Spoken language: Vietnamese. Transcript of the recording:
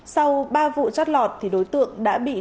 sau ba vụ chót lọt thì đối tượng đã bị